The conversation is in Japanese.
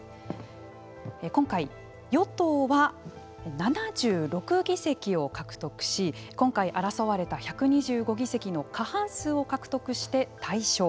今回、与党は７６議席を獲得し今回争われた１２５議席の過半数を獲得して大勝。